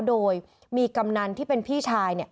โดยมีกำนาดที่เป็นพี่ชายเนี่ย